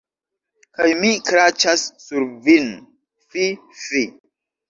Kaj mi kraĉas sur vin, fi, fi.